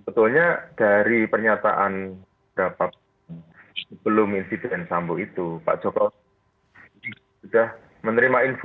sebetulnya dari pernyataan dapat sebelum insiden tambuh itu pak jokowi sudah menerima info